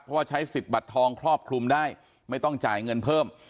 เพราะว่าใช้สิทธิ์บัตรทองครอบคลุมได้ไม่ต้องจ่ายเงินเพิ่ม